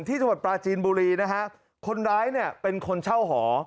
ที่จังหวัดปลาจีนบุรีนะฮะคนร้ายเนี่ยเป็นคนเช่าหอ